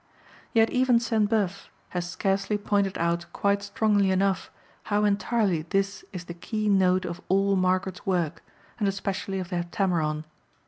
Yet even Sainte Beuve has scarcely pointed out quite strongly enough how entirely this is the keynote of all Margaret's work, and especially of the Heptameron.